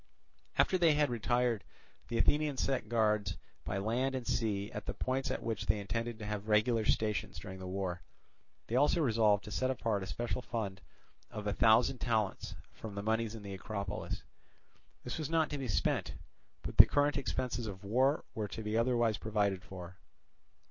After they had retired the Athenians set guards by land and sea at the points at which they intended to have regular stations during the war. They also resolved to set apart a special fund of a thousand talents from the moneys in the Acropolis. This was not to be spent, but the current expenses of the war were to be otherwise provided for.